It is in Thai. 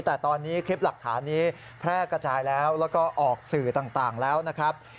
แต่ตอนนี้คลิปหลักฐานนี้แพร่กระจายแล้วแล้วก็ออกสื่อต่างแล้วนะครับ